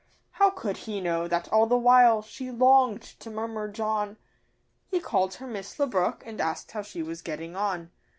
How could he know that all the while she longed to murmur 'John.' He called her 'Miss le Brook,' and asked how she was getting on.